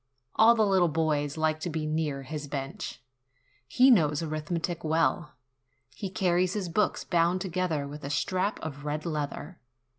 All the little boys like to be near his bench. He knows arithmetic well. He carries his books bound together with a strap of red leather.